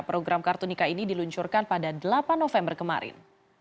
program kartu nikah ini diluncurkan pada delapan november kemarin